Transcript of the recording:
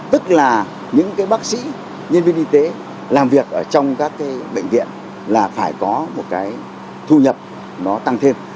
tức là những bác sĩ nhân viên y tế làm việc trong các bệnh viện là phải có thu nhập tăng thêm